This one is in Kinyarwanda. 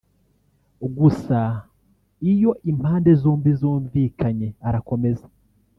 gusa iyo impande zombi zumvikanye arakomeza